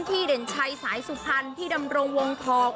เด่นชัยสายสุพรรณที่ดำรงวงทอง